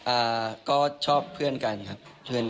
อ่าก็ชอบเพื่อนกันครับ